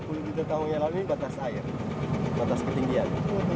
sepuluh juta tahun yang lalu ini batas air batas ketinggian